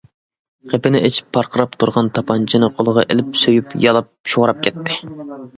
قېپىنى ئېچىپ پارقىراپ تۇرغان تاپانچىنى قولىغا ئېلىپ سۆيۈپ، يالاپ، شوراپ كەتتى.